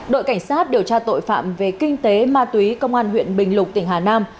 đội cảnh sát điều tra tội phạm về kinh tế ma túy công an huyện bình lục tỉnh hà nam